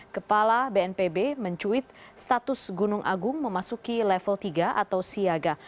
kepala bnpb mencuit status gunung agung memasuki level tiga atau siaga